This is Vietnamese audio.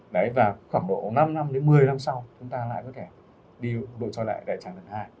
đấy và khoảng độ năm năm đến một mươi năm sau chúng ta lại có thể đi nội xoay đại trạng lần hai